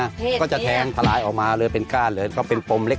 อืมก็จะแทงทลายออกมาเลยเป็นก้านเลยก็เป็นปมเล็ก